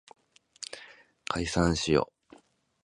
解散しよう